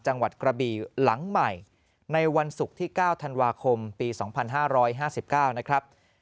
จังหวัดกระบี่หลังใหม่ในวันศุกร์ที่๙ธันวาคมปี๒๕๕๙นะครับ